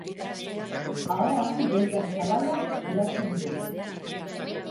Ahoan delta zabala eratzen du.